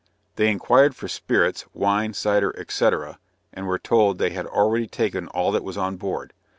They inquired for spirits, wine, cider, &c. and were told "they had already taken all that was on board."